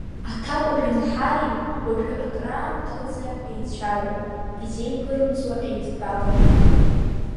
Аҭакәажәи Наҳари уажәы акыраамҭаӡа еицәажәон, изеиԥырымҵуа еидтәаланы.